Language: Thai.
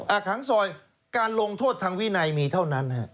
อาคารซอยการลงโทษทางวินัยมีเท่านั้น